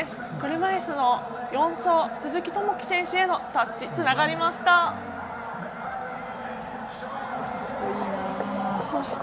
車いすの４走、鈴木朋樹選手のタッチがつながりました。